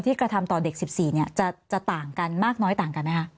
กระทำต่อเด็ก๑๔จะต่างกันมากน้อยต่างกันไหมคะ